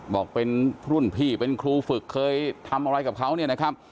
บอกเป็นรุ่นพี่เป็นครูฝึกเคยทำอะไรกับเขา